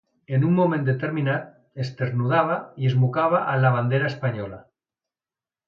En un moment determinat, esternudava i es mocava amb la bandera espanyola.